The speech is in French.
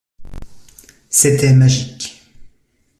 C'était magique.